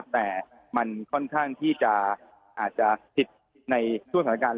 แต่มันค่อนข้างที่จะอาจจะติดในช่วงสถานการณ์